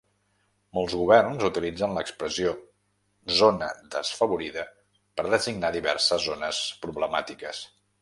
Molts governs utilitzen l'expressió "zona desfavorida" per designar diverses zones "problemàtiques".